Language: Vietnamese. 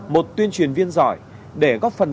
một tuyên truyền viên giỏi để góp phần